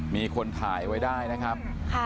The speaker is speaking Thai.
มีคนถ่ายไว้ได้นะครับ